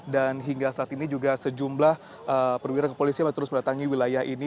dan hingga saat ini juga sejumlah perwira kepolisian masih terus berdatangi wilayah ini